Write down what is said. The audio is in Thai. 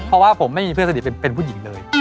เพราะว่าผมไม่มีเพื่อนสนิทเป็นผู้หญิงเลย